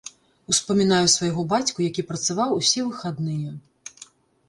Успамінаю свайго бацьку, які працаваў усе выхадныя.